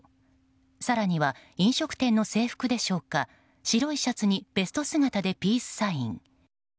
更には、飲食店の制服でしょうか白いシャツにベスト姿でピースサイン。